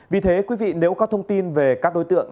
vì thế quý vị nếu có thông tin về các đối tượng